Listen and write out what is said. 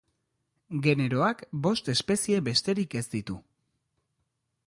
Generoak bost espezie besterik ez ditu.